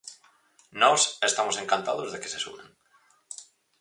Nós estamos encantados de que se sumen.